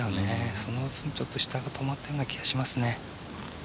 その分、ちょっと下で止まったような気がしますね。